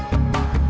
liat dong liat